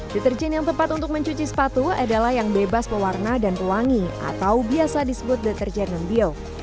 deterjen yang tepat untuk mencuci sepatu adalah yang bebas pewarna dan pewangi atau biasa disebut deterjen non bio